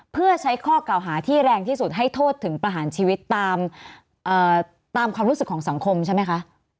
เพื่อใช้ข้อเก่าหาที่แรงที่สุดให้โทษถึงประหารชีวิตตามความรู้สึกของสังคมใช่ไหมคะ